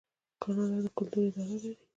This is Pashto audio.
کاناډا د کلتور اداره لري.